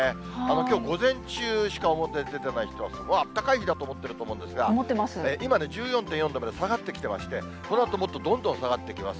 きょう午前中しか表に出ていない人は、すごくあったかい日だと思ってると思うんですが、今、１４．４度まで下がってきていまして、このあともっとどんどん下がってきます。